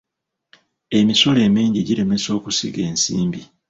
Emisolo emingi giremesa okusiga ensimbi.